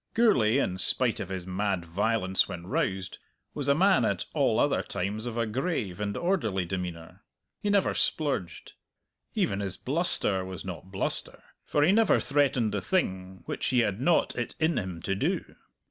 Gourlay, in spite of his mad violence when roused, was a man at all other times of a grave and orderly demeanour. He never splurged. Even his bluster was not bluster, for he never threatened the thing which he had not it in him to do.